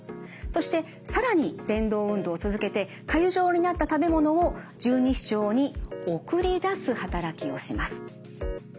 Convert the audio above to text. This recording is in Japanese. そして更にぜん動運動を続けてかゆ状になった食べ物を十二指腸に送り出す働きをします。